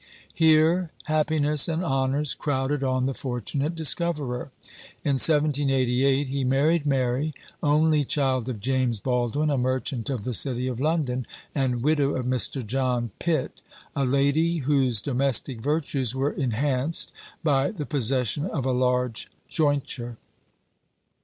Here happiness and honours crowded on the fortunate discoverer. In 1788 he married Mary, only child of James Baldwin, a merchant of the city of London, and widow of Mr. John Pitt a lady whose domestic virtues were enhanced by the possession of a large jointure.